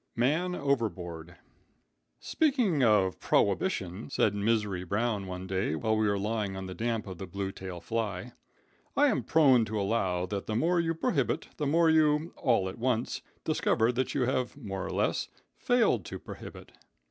Man Overbored. "Speaking about prohibition," said Misery Brown one day, while we sat lying on the damp of the Blue Tail Fly, "I am prone to allow that the more you prohibit, the more you all at once discover that you have more or less failed to prohibit.